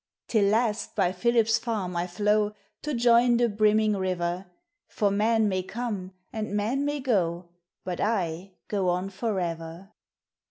Till last by Philip's farm I How To join the brimming river, For men may come and men may go, But I go on forever.